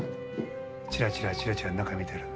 ⁉チラチラチラチラ中見てる。